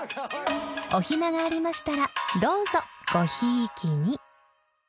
［お暇がありましたらどうぞごひいきに］